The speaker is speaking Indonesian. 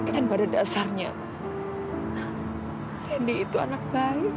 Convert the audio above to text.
nen pada dasarnya randy itu anak baik